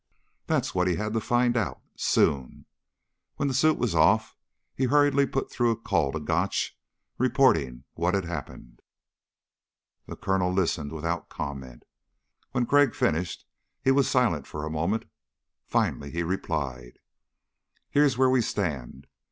That's what he had to find out soon! When the suit was off, he hurriedly put through a call to Gotch, reporting what had happened. The Colonel listened without comment. When Crag finished, he was silent for a moment. Finally he replied: "Here's where we stand.